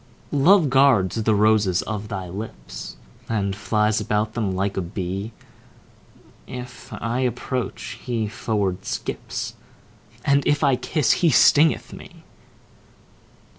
Love guards the roses of thy lips, And flies about them like a bee: If I approach, he forward skips, And if I kiss, he stingeth me.